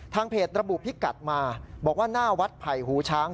เพจระบุพิกัดมาบอกว่าหน้าวัดไผ่หูช้าง